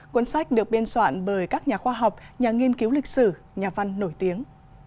cuốn sách được biên soạn bởi các nhà khoa học nhà nghiên cứu lịch sử nhà văn nổi tiếng